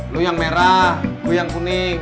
lo yang merah gue yang kuning